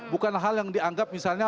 bukan hal yang dianggap